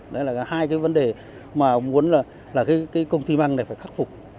đấy là hai cái vấn đề mà muốn là công ty măng này